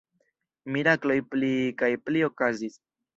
Mirakloj pli kaj pli okazis.